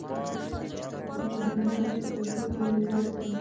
جهاندار ته په پښتو کې نړیواک وايي.